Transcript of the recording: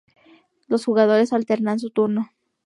Los jugadores alternan su turno.